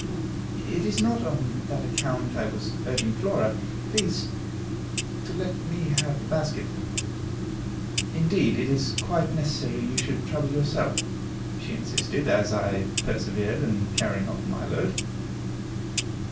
"It is not on that account I was urging Flora. Please to let me have the basket. Indeed, it is quite unnecessary you should trouble yourself," she insisted, as I persevered in carrying off my load.